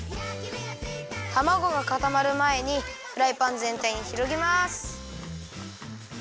たまごがかたまるまえにフライパンぜんたいにひろげます。